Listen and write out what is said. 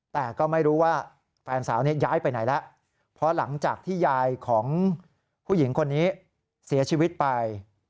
แต่ก็ไม่รู้ว่าแฟนสาวนี้ย้ายไปไหนแล้วเพราะหลังจากที่ยายของผู้หญิงคนนี้เสียชีวิตไป